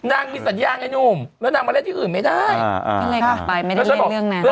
นางมีสัญญาไงนุ่มแล้วนางมาเล่นที่อื่นไม่ได้อ่าอ่าไม่ได้เล่นเรื่องน่ะ